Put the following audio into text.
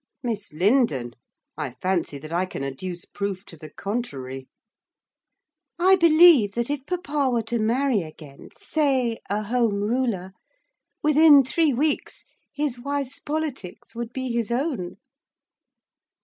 'Miss Lindon! I fancy that I can adduce proof to the contrary.' 'I believe that if papa were to marry again, say, a Home Ruler, within three weeks his wife's politics would be his own.